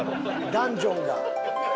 ダンジョンが。